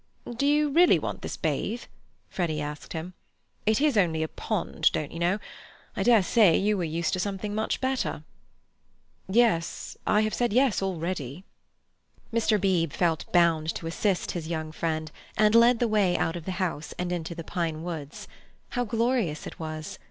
"Do you really want this bathe?" Freddy asked him. "It is only a pond, don't you know. I dare say you are used to something better." "Yes—I have said 'Yes' already." Mr. Beebe felt bound to assist his young friend, and led the way out of the house and into the pine woods. How glorious it was!